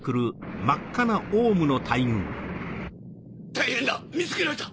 大変だ見つけられた！